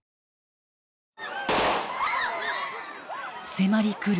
迫り来る